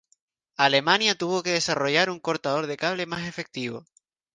Alemania tuvo que desarrollar un cortador de cable más efectivo.